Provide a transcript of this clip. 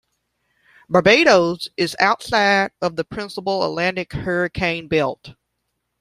Barbados is outside of the principal Atlantic hurricane belt.